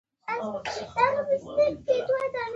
د دې پاتې شونو نېټه له بېلابېلو لارو معلومېدای شي